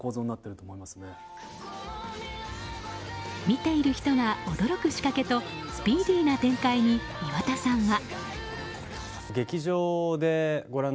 見ている人が驚く仕掛けとスピーディーな展開に岩田さんは。